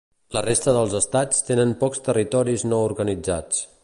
La resta dels estats tenen pocs territoris no organitzats.